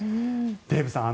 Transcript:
デーブさん